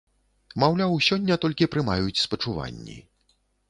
Маўляў, сёння толькі прымаюць спачуванні.